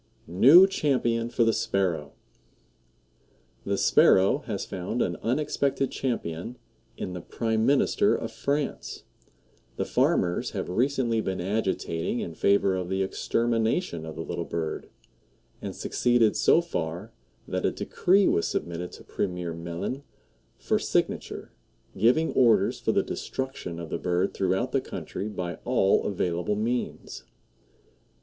NEW CHAMPION FOR THE SPARROW. The Sparrow has found an unexpected champion in the Prime Minister of France. The farmers have recently been agitating in favor of the extermination of the little bird, and succeeded so far that a decree was submitted to Premier Meline for signature, giving orders for the destruction of the bird throughout the country by all available means.